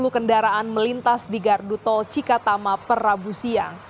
satu lima ratus dua puluh kendaraan melintas di gardu tol cikatama per rabu siang